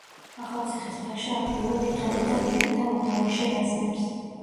ახალციხის ფაშა აქტიურად იყენებდა ლეკთა მოთარეშე რაზმებს.